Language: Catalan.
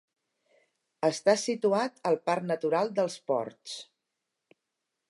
Està situat al Parc Natural dels Ports.